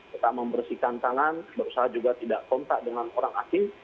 tetap membersihkan tangan berusaha juga tidak kontak dengan orang asing